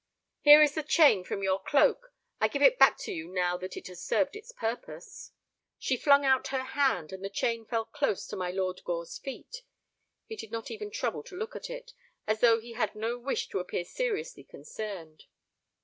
"Here is the chain from your cloak. I give it back to you now that it has served its purpose." She flung out her hand, and the chain fell close to my Lord Gore's feet. He did not even trouble to look at it, as though he had no wish to appear seriously concerned.